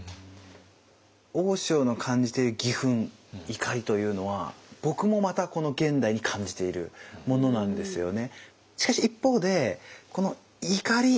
大塩の感じている義憤怒りというのは僕もまたこの現代に感じているものなんですよね。